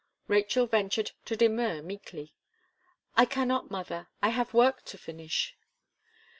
Rachel ventured to demur meekly. "I cannot, mother I have work to finish."